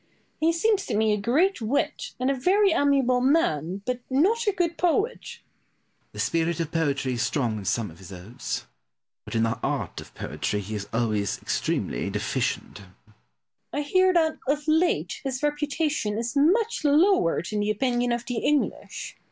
He seems to me a great wit, and a very amiable man, but not a good poet. Pope. The spirit of poetry is strong in some of his odes, but in the art of poetry he is always extremely deficient. Boileau. I hear that of late his reputation is much lowered in the opinion of the English.